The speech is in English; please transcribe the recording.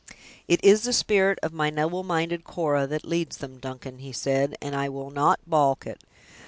'It is the spirit of my noble minded Cora that leads them, Duncan', he said, 'and I will not balk it.